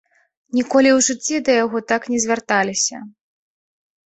Ніколі ў жыцці да яго так не звярталіся.